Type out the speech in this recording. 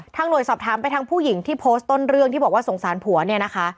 หน่วยสอบถามไปทางผู้หญิงที่โพสต์ต้นเรื่องที่บอกว่าสงสารผัวเนี่ยนะคะ